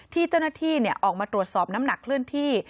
ที่เจ้าหน้าที่ออกมาตรวจสอบน้ำหนักเคลื่อนที่